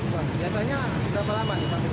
biasanya berapa lama